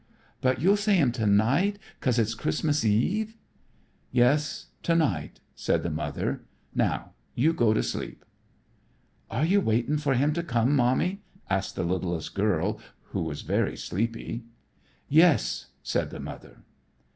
"But you'll say 'em to night 'cause it's Christmas eve?" "Yes, to night," said the mother; "now you go to sleep." "Are you waitin' for him to come, Mommy?" asked the littlest girl, who was very sleepy. "Yes," said the mother.